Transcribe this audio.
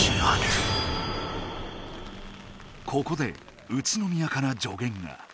ここで宇都宮からじょげんが。